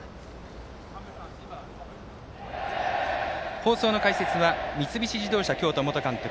放送の解説は三菱自動車京都元監督